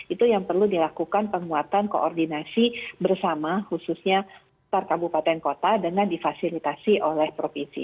itu yang perlu dilakukan penguatan koordinasi bersama khususnya per kabupaten kota dengan difasilitasi oleh provinsi